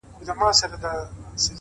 ریښتینی ځواک په ثبات کې څرګندیږي’